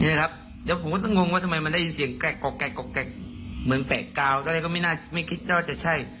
นี่นะครับเดี๋ยวผมก็ต้องงงว่าทำไมมันได้ยินเสียงแกะกอกแกะกอกแกะเหมือนแกะกาวอะไรก็ไม่น่าไม่คิดว่าจะใช่